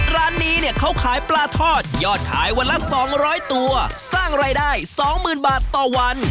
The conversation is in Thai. ร้านนี้เนี่ยเขาขายปลาทอดยอดขายวันละ๒๐๐ตัวสร้างรายได้สองหมื่นบาทต่อวัน